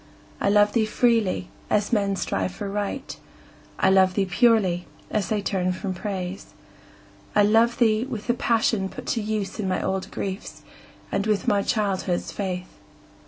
I love thee freely, as men strive for Right; I love thee purely, as they turn from Praise. I love thee with the passion put to use In my old griefs, and with my childhood's faith.